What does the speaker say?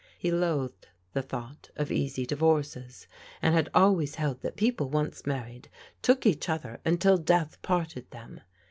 He loathed the thought of easy divorces, and had always held that people once married took each other until death parted them.